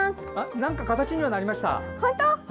何か形にはなりました。